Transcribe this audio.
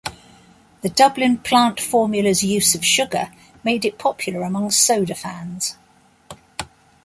The Dublin plant formula's use of sugar made it popular among soda fans.